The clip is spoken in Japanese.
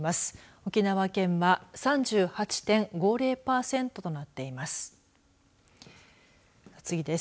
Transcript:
沖縄県は３８．５０パーセントとなっています。